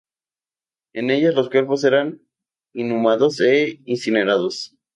En ellas los cuerpos eran inhumados e incinerados.